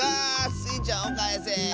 スイちゃんをかえせ。